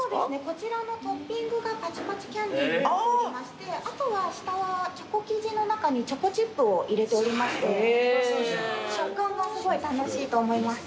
こちらのトッピングがパチパチキャンディーになっておりましてあとは下はチョコ生地の中にチョコチップを入れておりまして食感がすごい楽しいと思います。